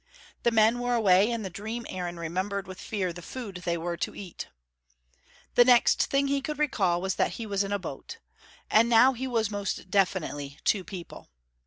The men were away and the dream Aaron remembered with fear the food they were to eat. The next thing he could recall was, that he was in a boat. And now he was most definitely two people.